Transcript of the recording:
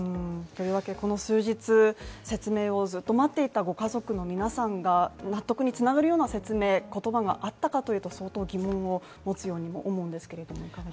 とりわけこの数日、説明をずっと待っていたご家族の皆さんが納得につながるような説明言葉があったかというと相当疑問を持つように思うんですけども。